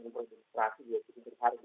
kemudian yang kedua langkah berikutnya